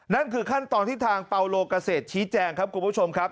นั่นคือขั้นตอนที่ทางเปาโลเกษตรชี้แจงครับคุณผู้ชมครับ